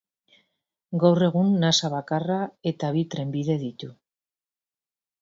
Gaur egun nasa bakarra eta bi trenbide ditu.